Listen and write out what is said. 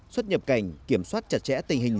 xuất nhập cảnh kiểm soát chặt chẽ tình hình